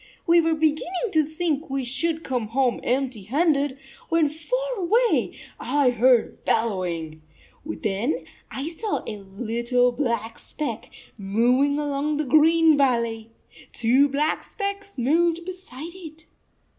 We were beginning to think we should come home empty handed, when far away I heard bellowing. Then I saw a little black speck moving along the green 36 valley. Two black specks moved beside it.